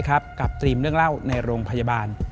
กับตรีมเรื่องเล่าในโรงพยาบาล